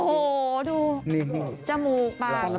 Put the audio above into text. โอ้โฮดูจมูกปากหน้า